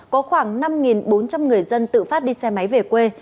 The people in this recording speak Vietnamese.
có khoảng năm bốn trăm linh người dân tự phát đi xe máy về quê